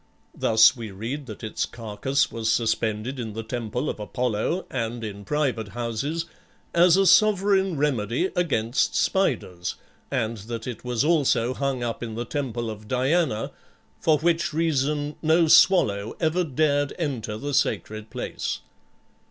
Thus we read that its carcass was suspended in the temple of Apollo, and in private houses, as a sovereign remedy against spiders, and that it was also hung up in the temple of Diana, for which reason no swallow ever dared enter the sacred place.